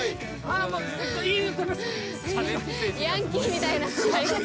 ヤンキーみたいな座り方。